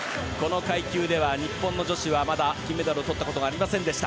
この階級では日本の女子はまだ金メダルをとったことがありませんでした。